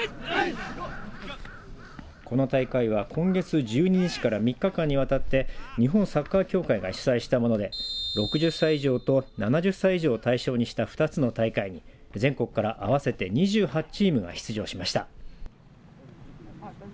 この大会は今月１２日から３日間にわたって日本サッカー協会が主催したもので６０歳以上と７０歳以上を対象にした２つの大会に全国から合わせて２８チームが出場しました。